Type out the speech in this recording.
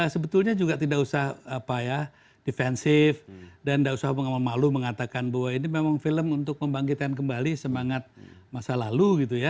sebetulnya juga tidak usah defensif dan tidak usah mengamal malu mengatakan bahwa ini memang film untuk membangkitkan kembali semangat masa lalu gitu ya